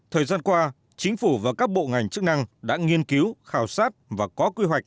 thời gian qua chính phủ và các bộ ngành chức năng đã nghiên cứu khảo sát và có quy hoạch